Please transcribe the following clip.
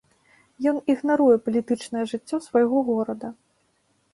Ён ігнаруе палітычнае жыццё свайго горада.